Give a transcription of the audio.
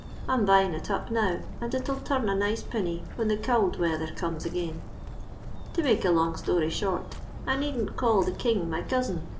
I 'm buyin it up now, an it 'ill turn a nice pinny whin the could weather comes again. To make a long story short, I needn't call the king my cousin.